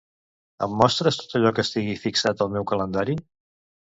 Em mostres tot allò que estigui fixat al meu calendari?